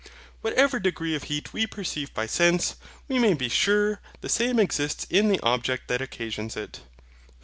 Whatever degree of heat we perceive by sense, we may be sure the same exists in the object that occasions it.